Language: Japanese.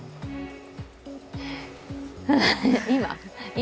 今？